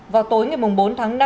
vào tối ngày bốn tháng năm